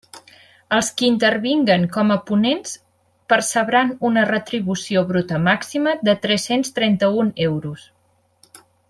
Els qui intervinguen com a ponents percebran una retribució bruta màxima de tres-cents trenta-un euros.